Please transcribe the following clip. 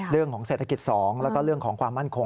เรื่องของเศรษฐกิจ๒แล้วก็เรื่องของความมั่นคง